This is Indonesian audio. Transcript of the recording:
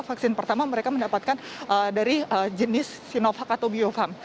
vaksin pertama mereka mendapatkan dari jenis sinovac atau biovamp